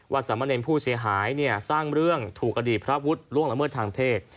ว่าสามรเนรผู้เสียหายเนี่ยสร้างเรื่องถูกทีพระพุทธโล่งระเมืองทางเพศ